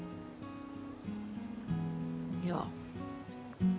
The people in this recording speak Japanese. いや。